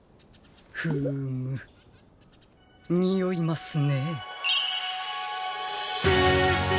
フームにおいますね。